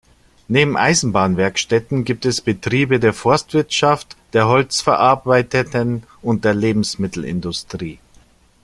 Neben Eisenbahnwerkstätten gibt es Betriebe der Forstwirtschaft, der holzverarbeitenden und der Lebensmittelindustrie.